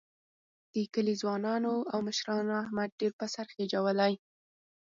د کلي ځوانانو او مشرانو احمد ډېر په سر خېجولی.